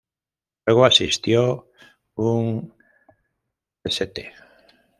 Luego asistió Un St.